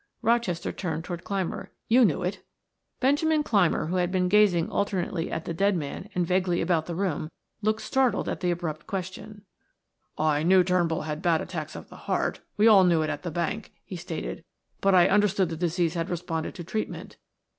Rochester turned toward Clymer. "You knew it." Benjamin Clymer, who had been gazing alternately at the dead man and vaguely about the room, looked startled at the abrupt question. "I knew Turnbull had bad attacks of the heart; we all knew it at the bank," he stated. "But I understood the disease had responded to treatment."